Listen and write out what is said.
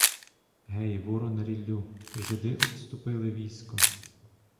Гей ворон ріллю, жиди обступили військо.